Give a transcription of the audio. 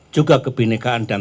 juga kebenekaan dan kebenekaan